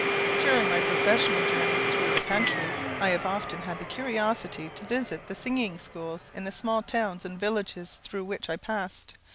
During my professional journies through the country, I have often had the curiosity to visit the singing schools in the small towns and villages through which I passed.